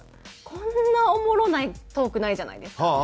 こんなおもろないトークないじゃないですか。